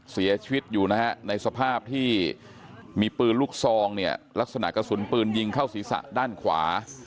เสียชีวิตอยู่นะฮะในสภาพที่มีปืนลูกซองเนี่ยลักษณะกระสุนปืนยิงเข้าศีรษะด้านขวา